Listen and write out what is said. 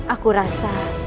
aku rasa kau harus tetap diam